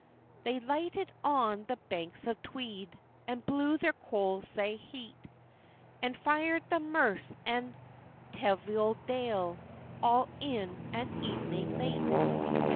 ] They lighted on the banks of Tweed, And blew their coals sae het, And fired the Merse and Teviotdale, All in an evening late.